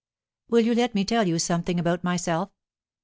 "Will you let me tell you something about myself?"